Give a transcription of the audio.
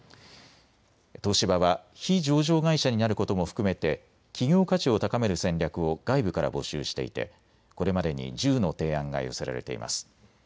東芝は非上場会社になることも含めて企業価値を高める戦略を外部から募集していてこれまでに１０の提案が寄せられています。